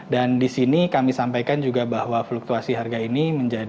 dan di sini kami sampaikan juga bahwa fluktuasi harga ini